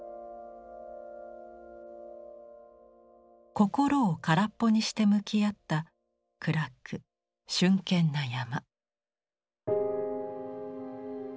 心を空っぽにして向き合った暗く峻険な山。